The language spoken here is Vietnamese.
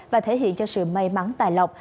và thể hiện cho sự may mắn tài lộc